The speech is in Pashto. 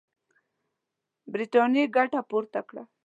برټانیې ګټه پورته کړه.